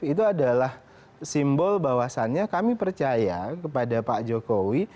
itu adalah simbol bahwasannya kami percaya kepada pak jokowi